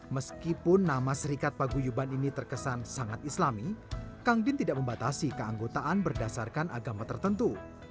meskipun nama serikat paguyuban ini terkesan sangat islami kang din tidak membatasi keanggotaan berdasarkan agama tertentu